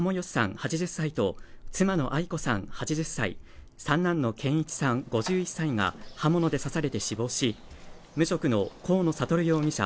８０歳と妻のアイ子さん８０歳三男の健一さん５１歳が刃物で刺されて死亡し無職の河野智容疑者